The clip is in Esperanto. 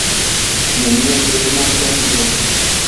Nenion bezonatan de mi.